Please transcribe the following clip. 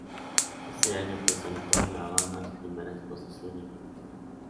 Ese año, presentó en La Habana su primera exposición individual.